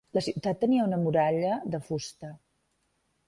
La ciutat tenia una muralla de fusta.